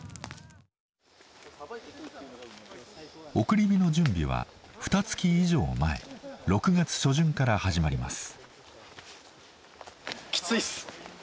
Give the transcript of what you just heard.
送り火の準備はふた月以上前６月初旬から始まります。